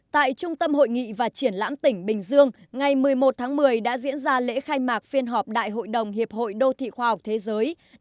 tại trung tâm hội nghị và triển lãm tỉnh bình dương ngày một mươi một tháng một mươi đã diễn ra lễ khai mạc phiên họp đại hội đồng hiệp hội đô thị khoa học thế giới